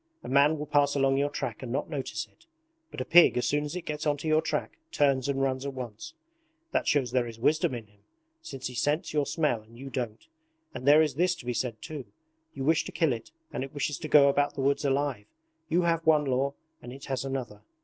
A man will pass along your track and not notice it; but a pig as soon as it gets onto your track turns and runs at once: that shows there is wisdom in him, since he scents your smell and you don't. And there is this to be said too: you wish to kill it and it wishes to go about the woods alive. You have one law and it has another.